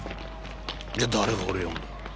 じゃ誰が俺呼んだ。